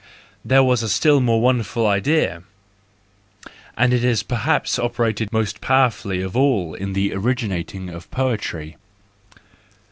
There was a still more wonderful idea, and it has perhaps operated most powerfully of all in the originating of poetry.